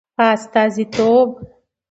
په استازیتوب